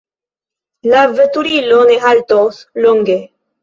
La veturilo ne haltos longe.